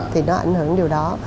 thì nó ảnh hưởng điều đó